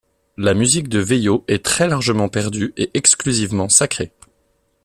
La musique de Veillot est très largement perdue et exclusivement sacrée.